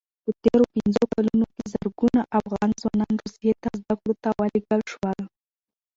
په تېرو پنځو کلونو کې زرګونه افغان ځوانان روسیې ته زدکړو ته ولېږل شول.